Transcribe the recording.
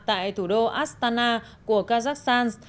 tại thủ đô astana của kazakhstan